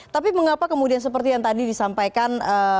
tapi mengapa kemudian seperti yang tadi disampaikan